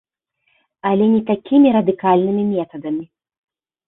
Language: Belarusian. Але не такімі радыкальнымі метадамі.